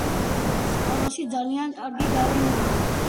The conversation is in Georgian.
სკოლაში ძალიან კარგი გარემოა